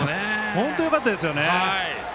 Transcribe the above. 本当によかったですね。